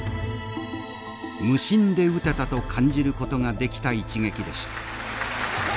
無心で打てたと感じることができた一撃でした。